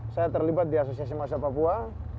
saya terlibat di asosiasi masyarakat papua